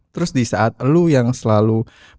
terus di saat lu yang selalu mencari